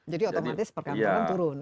jadi otomatis perkantoran turun